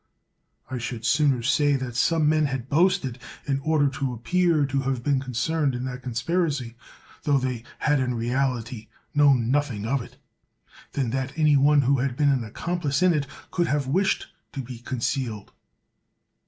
I should sooner say that some men had boasted in order to appear to have been concerned in that conspiracy, tho they had in reality known noth ing of it, than that any one who had been an accomplice in it could have wished to be con cealed.